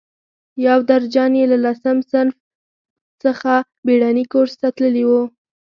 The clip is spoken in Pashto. یو درجن یې له لسم صنف څخه بېړني کورس ته تللي وو.